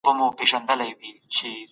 کمپيوټر خوندي حالت ته ځي.